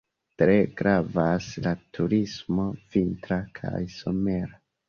Tre gravas la turismo vintra kaj somera.